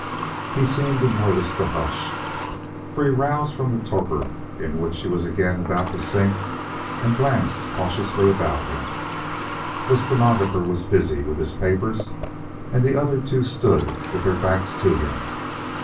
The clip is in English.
He seemed to notice the hush, for he roused from the torpor into which he was again about to sink, and glanced cautiously about him. The stenographer was busy with his papers, and the other two stood with their backs to him.